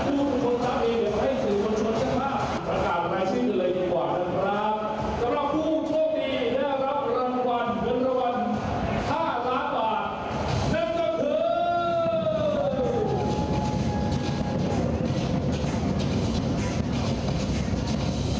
สำหรับผู้โชคดีได้รับรางวัลเงินสด๕ล้านบาท